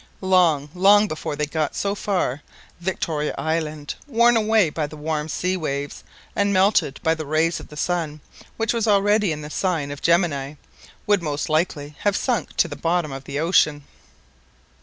Long, long before they got so far, Victoria Island, worn away by the warm sea waves, and melted by the rays of the sun, which was already in the sign of Gemini, would most likely have sunk to the bottom of the ocean.